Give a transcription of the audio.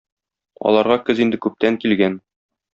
Аларга көз инде күптән килгән.